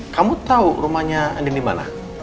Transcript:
kamu tau rumahnya andin dimana